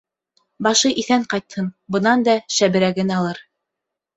— Башы иҫән ҡайтһын, бынан да шәберәген алыр!